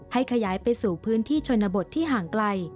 ขยายไปสู่พื้นที่ชนบทที่ห่างไกล